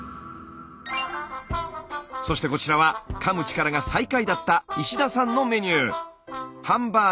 そしてこちらはかむ力が最下位だった石田さんのメニュー。